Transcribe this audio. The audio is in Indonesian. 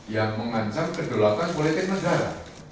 yang mengancam kedaulatan politik negara